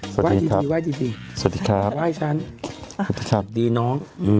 สวัสดีครับผมถ้าไม่ครับใช่เป็นครับดีน้อง